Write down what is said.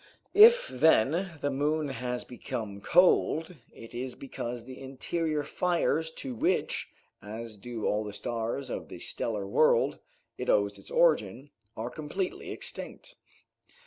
If, then, the moon has become cold, it is because the interior fires to which, as do all the stars of the stellar world, it owes its origin, are completely extinct.